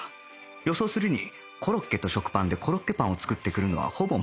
予想するにコロッケと食パンでコロッケパンを作ってくるのはほぼ間違いないだろう